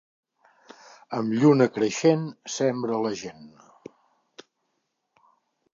Amb lluna creixent sembra la gent.